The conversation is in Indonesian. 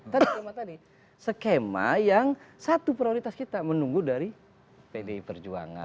tadi skema tadi skema yang satu prioritas kita menunggu dari pdi perjuangan